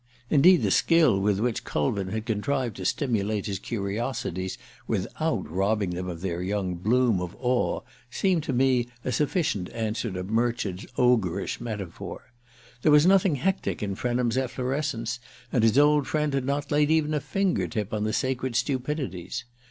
Indeed, the skill with which Culwin had contrived to stimulate his curiosities without robbing them of their young bloom of awe seemed to me a sufficient answer to Murchard's ogreish metaphor. There was nothing hectic in Frenham's efflorescence, and his old friend had not laid even a finger tip on the sacred stupidities.